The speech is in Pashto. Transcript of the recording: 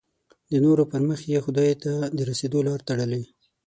د نورو پر مخ یې خدای ته د رسېدو لاره تړلې.